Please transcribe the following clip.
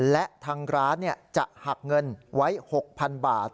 และทางร้านจะหักเงินไว้๖๐๐๐บาท